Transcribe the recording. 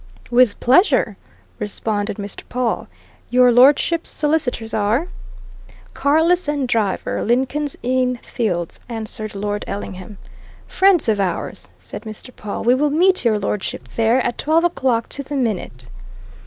"With pleasure!" responded Mr. Pawle. "Your lordship's solicitors are " "Carless and Driver, Lincoln's Inn Fields," answered Lord Ellingham. "Friends of ours," said Mr. Pawle. "We will meet your lordship there at twelve o 'clock to the minute."